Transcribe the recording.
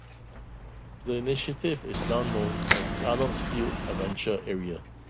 The initiative is now known as the Arnoldsfield Adventure Area.